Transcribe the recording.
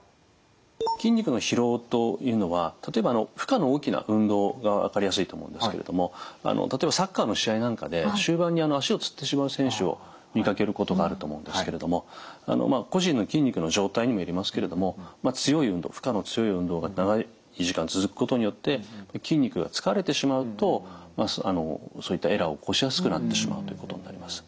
筋肉の疲労というのは例えば負荷の大きな運動が分かりやすいと思うんですけれども例えばサッカーの試合なんかで終盤に足をつってしまう選手を見かけることがあると思うんですけれども個人の筋肉の状態にもよりますけれども強い運動負荷の強い運動が長い時間続くことによって筋肉が疲れてしまうとそういったエラーを起こしやすくなってしまうということになります。